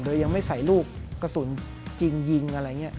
โดยยังไม่ใส่ลูกกระสุนจริงยิงอะไรอย่างนี้